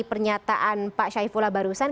pernyataan pak syaifullah barusan